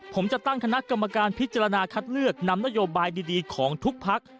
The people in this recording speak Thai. ผมจะตั้งคณะกรรมการพิจารณาคัดเลือกนำนโยบายดีของทุกพัก